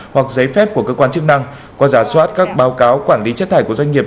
hoặc giấy phép của cơ quan chức năng qua giả soát các báo cáo quản lý chất thải của doanh nghiệp